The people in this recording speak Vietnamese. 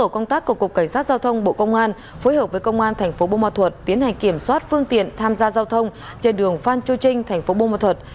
công tác của cục cảnh sát giao thông bộ công an phối hợp với công an thành phố bông hoa thuật tiến hành kiểm soát phương tiện tham gia giao thông trên đường phan châu trinh thành phố bông hoa thuật